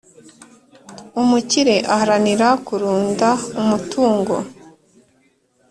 Umukire aharanira kurunda umutungo,